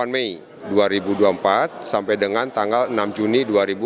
dua puluh mei dua ribu dua puluh empat sampai dengan tanggal enam juni dua ribu dua puluh